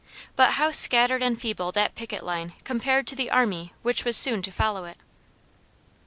But how scattered and feeble that picket line compared to the army which was soon to follow it.